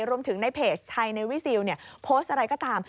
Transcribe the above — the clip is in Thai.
รวมถึงในเพจไทยในวิซิลพสต์อะไรก็ตาม